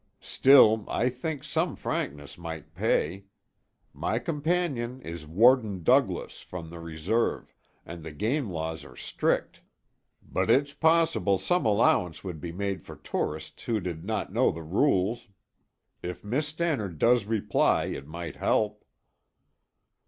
"Still I think some frankness might pay. My companion is warden Douglas, from the reserve, and the game laws are strict, but it's possible some allowance would be made for tourists who did not know the rules. If Miss Stannard does reply, it might help."